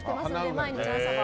毎日朝晩。